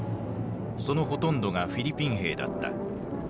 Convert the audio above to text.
そのほとんどがフィリピン兵だった。